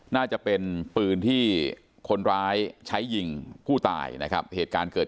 น่าจะเป็นปืนที่คนร้ายใช้ยิงผู้ตายนะครับเหตุการณ์เกิด